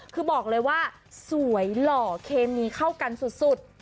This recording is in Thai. คือบอกเลยว่าสวยหล่อเคมีเข้ากันสุด